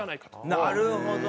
なるほど。